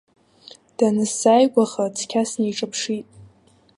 Данысзааигәаха, цқьа снеиҿаԥшит.